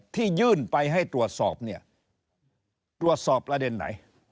ที่ยื่นไปให้ตรวจสอบเนี่ยตรวจสอบประเด็นไหน